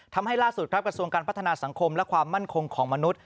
ทำให้ล่าสุดครับกระทรวงการพัฒนาสังคมและความมั่นคงของมนุษย